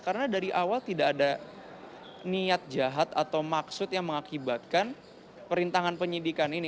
karena dari awal tidak ada niat jahat atau maksud yang mengakibatkan perintahan penyidikan ini